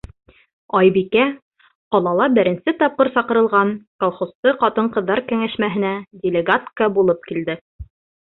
Айбикә ҡалала беренсе тапҡыр саҡырылған колхозсы ҡатын-ҡыҙҙар кәңәшмәһенә делегатка булып килде.